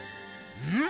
うん？